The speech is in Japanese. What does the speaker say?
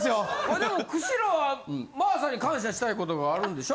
・でも久代は真麻に感謝したいことがあるんでしょ？